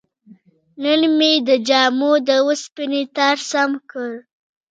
نن مې د جامو د وسپنې تار سم کړ.